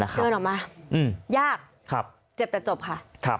เชิญออกมายากเจ็บแต่จบค่ะ